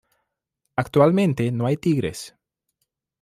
Actualmente no hay tigres.